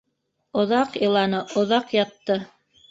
Оҙаҡ иланы, оҙаҡ ятты.